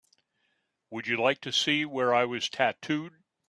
Would you like to see where I was tattooed?